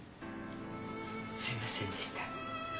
すみませんでした。